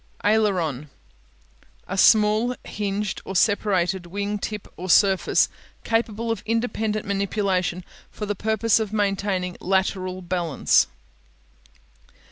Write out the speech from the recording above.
Aileron (a'ler on) A small hinged or separated wing tip or surface capable of independent manipulation for the purpose of maintaining lateral balance.